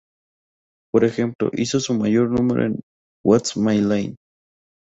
Por ejemplo, hizo un número en "What's My Line?